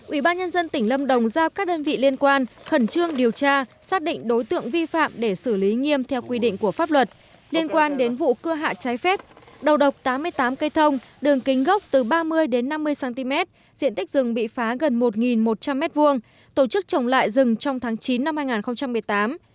ủy ban nhân dân tỉnh lâm đồng giao các đơn vị liên quan khẩn trương điều tra xác định đối tượng vi phạm để xử lý nghiêm theo quy định của pháp luật liên quan đến vụ cưa hạ trái phép đầu độc tám mươi tám cây thông đường kính gốc từ ba mươi đến năm mươi cm diện tích rừng bị phá gần một một trăm linh m hai tổ chức trồng lại rừng trong tháng chín năm hai nghìn một mươi tám